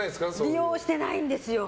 利用してないんですよ。